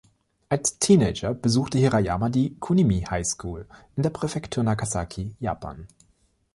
Als Teenager besuchte Hirayama die Kunimi High School in der Präfektur Nagasaki, Japan.